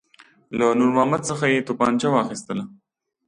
له نور محمد څخه یې توپنچه واخیستله.